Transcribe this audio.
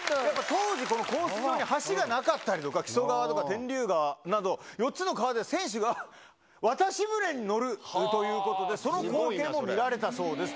当時、このコース上に橋がなかったりとか、木曽川とか天竜川とか、４つの川で選手が渡し舟に乗るということで、その光景も見られたそうですと。